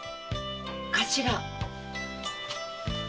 頭。